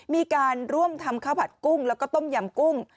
มีการร่วมทำข้าวผัดกุ้งแล้วก็ต้มยำกุ้ง